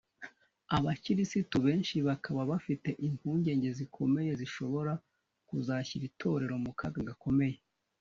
abakirisitu benshi bakaba bafite impungenge zikomeye zishobora kuzashyira Itorero mu kaga gakomeye